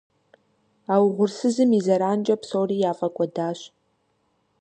А угъурсызым и зэранкӏэ псори яфӏэкӏуэдащ.